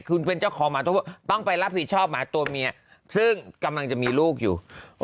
คุณเป็นเจ้าของหมาตัวต้องไปรับผิดชอบหมาตัวเมียซึ่งกำลังจะมีลูกอยู่